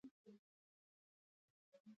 د سپي ټوله شپه د کلا ساتنه وکړه.